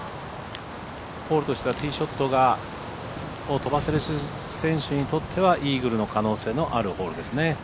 ホールとしてはティーショットが飛ばせる選手にとってはイーグルの可能性のあるホールですね。